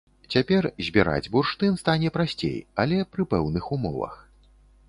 Цяпер збіраць бурштын стане прасцей, але пры пэўных умовах.